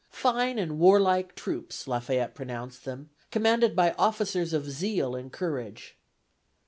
"Fine and warlike troops," Lafayette pronounced them, "commanded by officers of zeal and courage."